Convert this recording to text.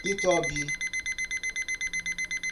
Itobi